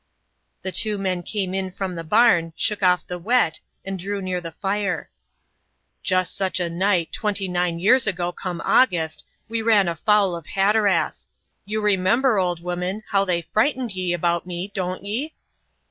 The two men came in from the barn, shook off the wet, and drew near the fire. "Just such a night, twenty nine years ago come August, we ran afoul of Hatteras. You remember, old woman, how they frighted ye about me, don't ye?"